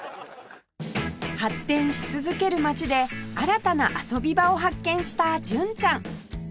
発展し続ける街で新たな遊び場を発見した純ちゃん